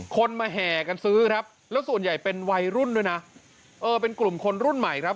คนมาแห่กันซื้อครับแล้วส่วนใหญ่เป็นวัยรุ่นด้วยนะเออเป็นกลุ่มคนรุ่นใหม่ครับ